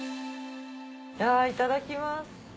いただきます。